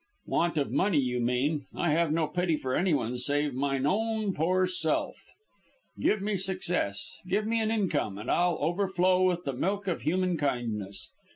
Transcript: "Want of money, you mean. I have no pity for anyone save mine own poor self. Give me success, give me an income, and I'll overflow with the milk of human kindness.